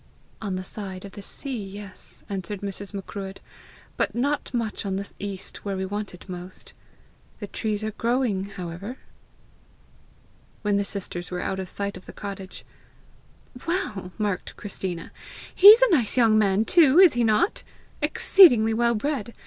"On the side of the sea, yes," answered Mrs. Macruadh; "but not much on the east where we want it most. The trees are growing, however!" When the sisters were out of sight of the cottage "Well!" remarked Christina, "he's a nice young man too, is he not? Exceedingly well bred!